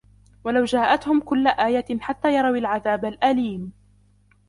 ولو جاءتهم كل آية حتى يروا العذاب الأليم